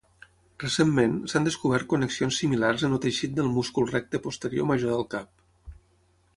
Recentment, s'han descobert connexions similars en el teixit del múscul recte posterior major del cap.